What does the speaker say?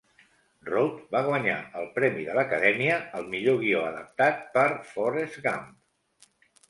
Roth va guanyar el premi de l'Acadèmia al millor guió adaptat per "Forrest Gump".